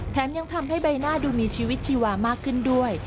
แถมยังทำให้ใบหน้าดูมีชีวิตชีวามากขึ้นด้วย